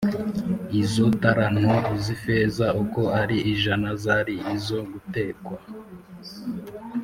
Izo talanto z ifeza uko ari ijana zari izo gutekwa